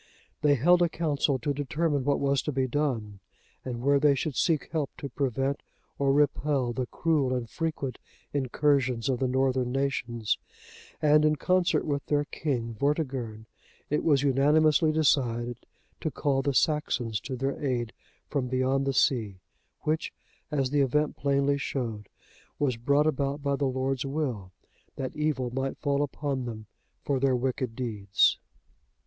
They held a council to determine what was to be done, and where they should seek help to prevent or repel the cruel and frequent incursions of the northern nations; and in concert with their King Vortigern,(83) it was unanimously decided to call the Saxons to their aid from beyond the sea, which, as the event plainly showed, was brought about by the Lord's will, that evil might fall upon them for their wicked deeds.